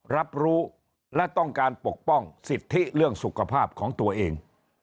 รับรู้และต้องการปกป้องสิทธิเรื่องสุขภาพของตัวเอง